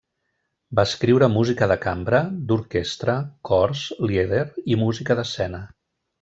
Va escriure música de cambra, d'orquestra, cors, lieder i música d'escena.